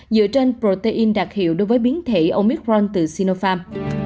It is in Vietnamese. dựa trên protein đặc hiệu đối với biến thể omicron từ sinofarm